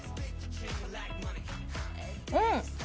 うん！